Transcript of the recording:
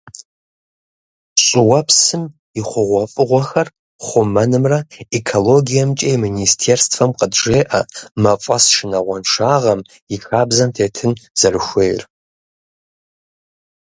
ЩӀыуэпсым и хъугъуэфӀыгъуэхэр хъумэнымрэ экологиемкӀэ и министерствэм къыджеӏэ мафӀэс шынагъуэншагъэм и хабзэм тетын зэрыхуейр.